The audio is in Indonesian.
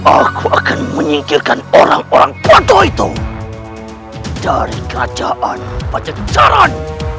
aku akan menyingkirkan orang orang bodoh itu dari kerajaan pajakjaran